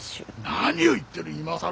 何を言ってる今更。